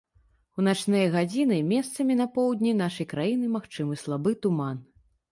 У начныя гадзіны месцамі на поўдні нашай краіны магчымы слабы туман.